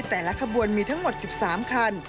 แต่ละขบวนมีทั้งหมด๑๓คัน